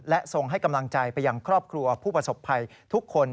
และส่งให้กำลังใจไปยังครอบครัวผู้ประสบภัยทุกคน